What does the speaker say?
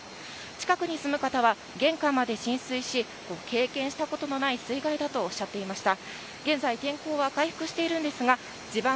近くに住む方は玄関まで浸水し経験したことのない水害だとおっしゃっていました。